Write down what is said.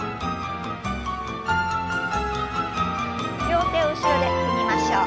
両手を後ろで組みましょう。